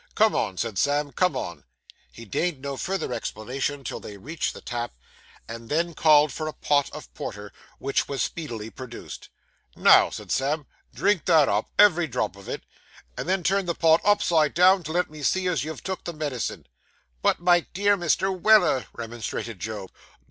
'Come on,' said Sam; 'come on!' He deigned no further explanation till they reached the tap, and then called for a pot of porter, which was speedily produced. 'Now,' said Sam, 'drink that up, ev'ry drop on it, and then turn the pot upside down, to let me see as you've took the medicine.' 'But, my dear Mr. Weller,' remonstrated Job.